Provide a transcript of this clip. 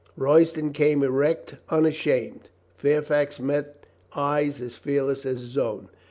Royston came erect, unashamed. Fairfax met eyes as fearless as his own.